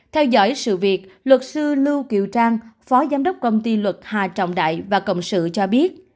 theo dõi sự việc luật sư lưu kiều trang phó giám đốc công ty luật hà trọng đại và cộng sự cho biết